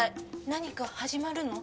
何か始まるの？